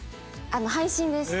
配信です。